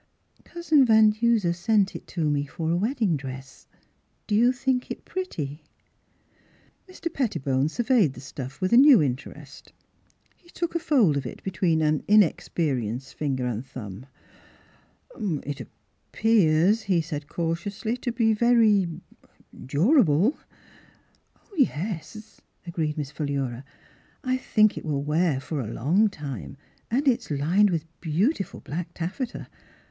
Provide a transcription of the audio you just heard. " Cousin Van Duser sent it to me for a wedding dress; do you think it pretty? " Mr. Pettibone surveyed the stuff with a new interest. He took a fold of it be tween an inexperienced thumb and finger. Miss Fhilura's Wedding Gown " It appears," he said cautiously, " to be very — er — durable." " Yes," agreed Miss Philura, " I thinrk it will wear for a long time, and it is lined with beautiful black taffeta.